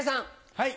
はい。